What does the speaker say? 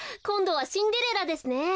こんどは「シンデレラ」ですね。